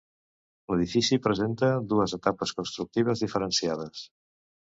L'edifici presenta dues etapes constructives diferenciades.